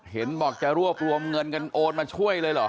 เห็นบอกจะรวบรวมเงินกันโอนมาช่วยเลยเหรอ